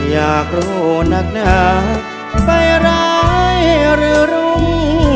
อยากรู้นักหนาไฟร้ายหรือรุม